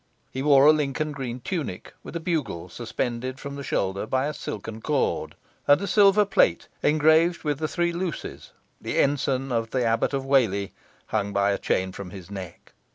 He wore a Lincoln green tunic, with a bugle suspended from the shoulder by a silken cord; and a silver plate engraved with the three luces, the ensign of the Abbot of Whalley, hung by a chain from his neck.